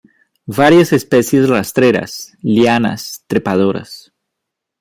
Varias especies rastreras, lianas, trepadoras.